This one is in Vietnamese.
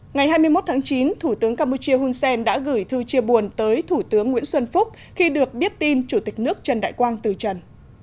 ngày hai mươi một tháng chín thủ tướng campuchia hun sen đã gửi thư chia buồn tới thủ tướng nguyễn xuân phúc khi được biết tin chủ tịch nước trần đại quang từ trần